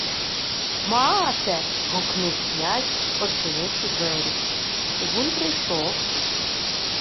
— Maace! — гукнув князь, одчинивши двері. Тивун прийшов.